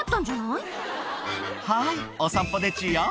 はい、お散歩でちゅよ。